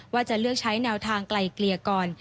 ว่าจะเลือกใช้แนวทางไกลเกลี่ยก่อน